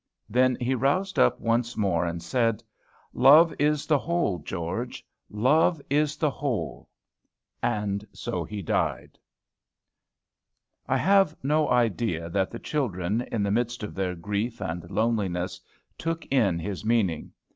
Then he roused up once more, and said, "Love is the whole, George; love is the whole," and so he died. I have no idea that the children, in the midst of their grief and loneliness, took in his meaning.